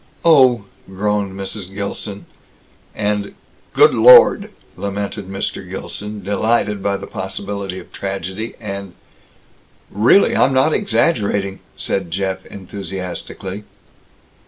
"Oh!" groaned Mrs. Gilson; and "Good Lord!" lamented Mr. Gilson, delighted by the possibility of tragedy; and "Really, I'm not exaggerating," said Jeff enthusiastically.